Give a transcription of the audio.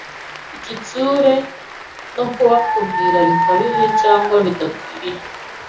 igitsure no kubakumira bikabije cyangwa bidakwiriye